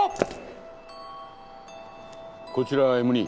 こちらＭ２。